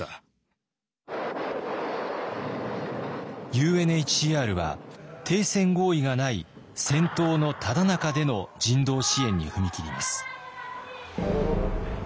ＵＮＨＣＲは停戦合意がない戦闘のただ中での人道支援に踏み切ります。